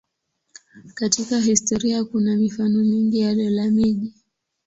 Katika historia kuna mifano mingi ya dola-miji.